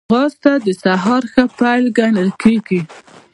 ځغاسته د سهار ښه پيل ګڼل کېږي